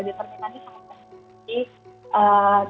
determinannya sangat besar